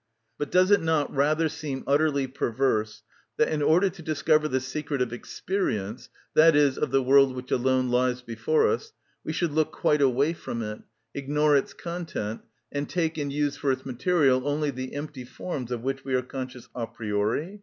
But does it not rather seem utterly perverse that in order to discover the secret of experience, i.e., of the world which alone lies before us, we should look quite away from it, ignore its content, and take and use for its material only the empty forms of which we are conscious a priori?